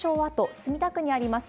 墨田区にあります